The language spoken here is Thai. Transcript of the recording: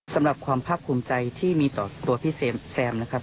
สำหรับความภาคภูมิใจที่มีต่อตัวพี่แซมนะครับ